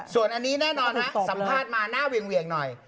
ส่วนอันนี้แน่นอนฮะสัมภาษณ์มาหน้าเวียงหน่อย